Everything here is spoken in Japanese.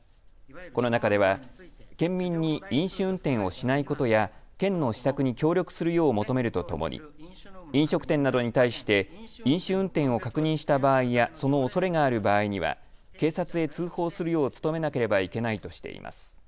この中では県民に飲酒運転をしないことや県の施策に協力するよう求めるとともに飲食店などに対して飲酒運転を確認した場合やそのおそれがある場合には警察へ通報するよう努めなければいけないとしています。